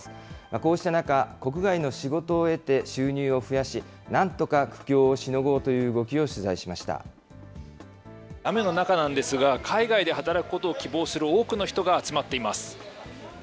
こうした中、国外の仕事を得て収入を増やし、なんとか苦境をしの雨の中なんですが、海外で働くことを希望する多くの人が集まっています。